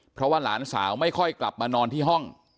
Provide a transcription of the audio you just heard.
เพราะว่าหลานสาวไม่ค่อยกลับมานอนที่ห้อง